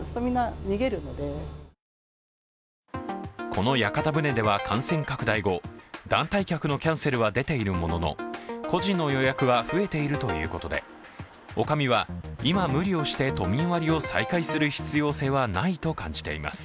この屋形船では感染拡大後、団体客のキャンセルは出ているものの個人の予約は増えているということで、おかみは今、無理をして都民割を再開する必要性はないと感じています。